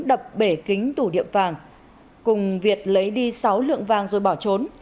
đập bể kính tủ tiệm vàng cùng việt lấy đi sáu lượng vàng rồi bỏ trốn